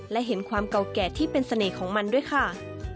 และเห็นความเก่าแก่ที่เป็นเสน่ห์ของมันด้วยค่ะ